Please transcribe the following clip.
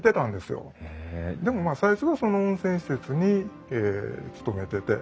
でもまあ最初はその温泉施設に勤めてて。